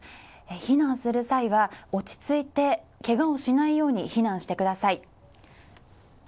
避難する際は落ち着いてけがをしないように避難してください。